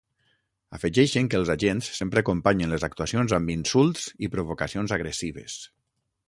Afegeixen que els agents sempre acompanyen les actuacions amb “insults i provocacions agressives”.